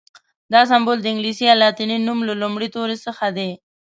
دا سمبول د انګلیسي یا لاتیني نوم له لومړي توري څخه دی.